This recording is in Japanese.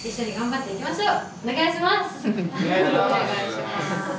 お願いします！